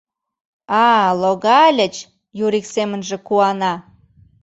— А-а, логальыч, — Юрик семынже куана.